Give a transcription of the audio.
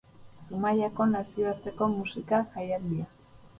Zumaiako nazioarteko musika-jaialdia.